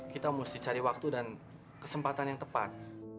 kita mesti cari waktu dan kesempatan yang tepat